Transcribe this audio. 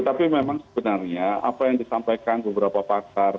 tapi memang sebenarnya apa yang disampaikan beberapa pakar